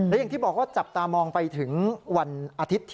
และอย่างที่บอกว่าจับตามองไปถึงวันอาทิตย์ที่